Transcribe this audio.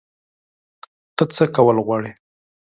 ته څه کول غواړې؟